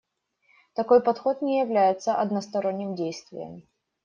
Такой подход не является односторонним действием.